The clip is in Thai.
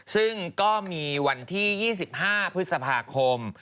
ซึ่งก็มีวันที่๒๕พฤษภาคม